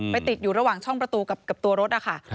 ติดอยู่ระหว่างช่องประตูกับตัวรถนะคะ